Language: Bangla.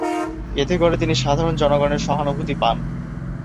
এতে করে তিনি সাধারণ জনগণের সহানুভূতি পান।